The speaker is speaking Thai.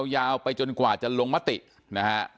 ยาวไปจนกว่าจะลงมตินะฮะ